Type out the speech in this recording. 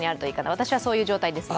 私はそういう状態です。